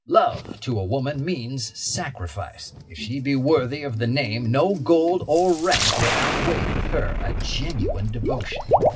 Love, to a woman, means sacrifice. If she be worthy of the name, no gold or rank will outweigh with her a genuine devotion.